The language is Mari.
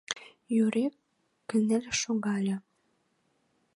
— Юрик кынел шогале.